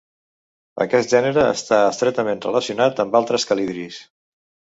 Aquest gènere està estretament relacionat amb altres calidris.